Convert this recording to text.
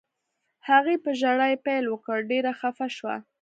هغې په ژړا یې پیل وکړ، ډېره خفه شوه.